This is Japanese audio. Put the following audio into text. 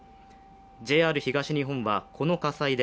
ＪＲ東日本は、この火災で